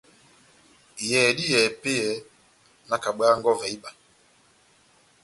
Iyɛhɛ dá iyɛhɛ epɛ́yɛ, nakabwaha nkɔvɛ iba.